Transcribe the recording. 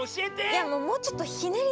いやもうちょっとひねりだしてよ。